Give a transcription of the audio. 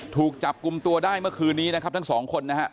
ถูกจับกลุ่มตัวได้เมื่อคืนนี้นะครับทั้งสองคนนะฮะ